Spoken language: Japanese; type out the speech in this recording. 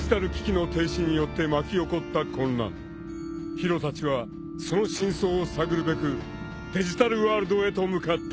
［宙たちはその真相を探るべくデジタルワールドへと向かった］